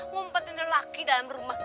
mumpetin lelaki dalam rumah